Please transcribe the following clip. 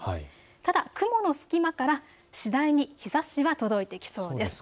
ただ雲の隙間から次第に日ざしは届いてきそうです。